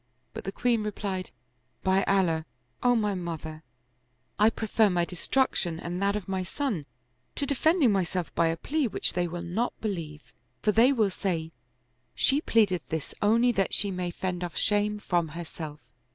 But the queen replied, " By Allah, O my mother, I prefer my destruction and that of my son to defending myself by a plea which they will not be lieve ; for they will say : She pleadeth this only that she may fend off shame from herself.